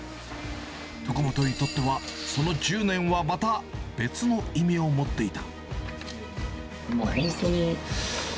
徳本にとっては、その１０年はまた別の意味を持っていた。